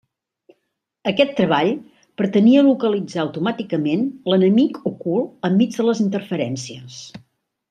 Aquest treball pretenia localitzar automàticament l’enemic ocult enmig de les interferències.